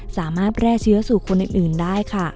สามารถแพร่เชื้อสู่คนอื่นได้ค่ะ